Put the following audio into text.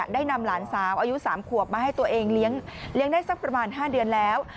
ได้นำหลานสาวอายุ๓ขวบมาให้ตัวเองเลี้ยงได้สักประมาณ๕เดือนแล้ว